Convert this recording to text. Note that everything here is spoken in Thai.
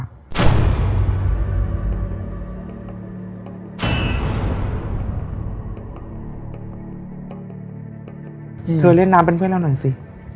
เธอเล่นน้ำเป็นเพื่อนเราหน่อยสิ